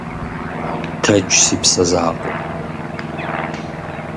Тэдж, си псэ закъуэ.